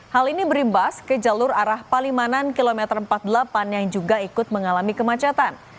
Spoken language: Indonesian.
hal ini berimbas ke jalur arah palimanan kilometer empat puluh delapan yang juga ikut mengalami kemacetan